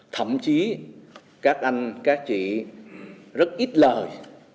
thậm chí các anh các chị rất ít lời